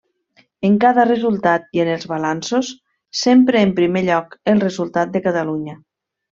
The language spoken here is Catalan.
En cada resultat i en els balanços, sempre en primer lloc el resultat de Catalunya.